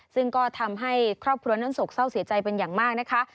ซึ่งก็ทำให้ครอบครัวนั้นโศกเศร้าเสียใจเป็นอย่างมากนะคะ